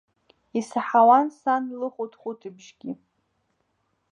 Исаҳауан сан лыхәыҭхәыҭбыжьгьы.